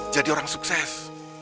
jadi orang sukses